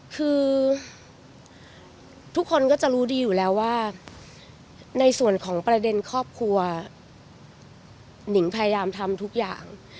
คือทุกคนก็จะรู้ดีอยู่แล้วว่าในส่วนของประเด็นครอบครัวหนิงพยายามทำทุกอย่าง